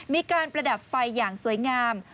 มีการประดับไฟอย่างสวยงาม